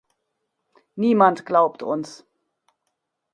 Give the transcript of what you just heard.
Niemand glaubt uns.